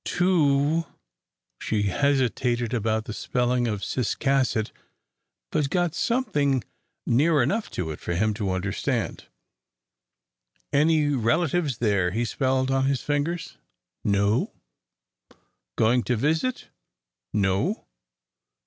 "To " she hesitated about the spelling of Ciscasset, but got something near enough to it for him to understand. "Any relatives there?" he spelled on his fingers. "No." "Going to visit?' "No."